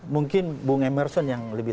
mungkin bung emerson yang lebih